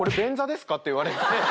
って言われて。